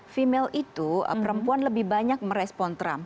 female itu perempuan lebih banyak merespon trump